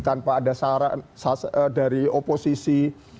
tanpa ada saran dari oposisi